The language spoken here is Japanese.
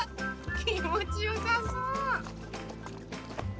きもちよさそう！